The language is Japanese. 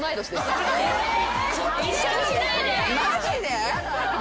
マジで？